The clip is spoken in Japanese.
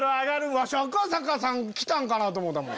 わし赤坂さん来たんかなと思ったもん。